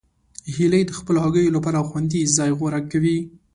هیلۍ د خپلو هګیو لپاره خوندي ځای غوره کوي